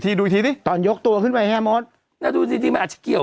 ไม่รู้อ่ะดูอีกทีดูอีกทีตอนยกตัวขึ้นไปเนี่ยโม๊ตไม่รู้อ่ะดูอีกทีดูอีกทีตอนยกตัวขึ้นไปเนี่ยโม๊ต